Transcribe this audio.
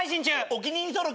お気に入り登録。